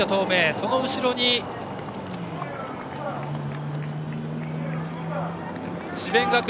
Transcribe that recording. その後ろに智弁学園